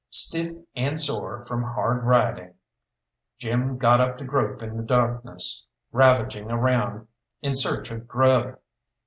Stiff and sore from hard riding, Jim got up to grope in the darkness, ravaging around in search of grub.